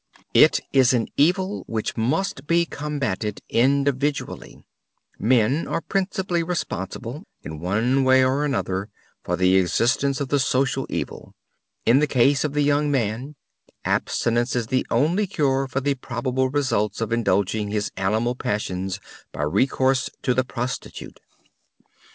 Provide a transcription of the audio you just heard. It is an evil which must be combatted individually. Men are principally responsible, in one way or another, for the existence of the social evil. In the case of the young man, abstention is the only cure for the probable results of indulging his animal passions by recourse to the prostitute.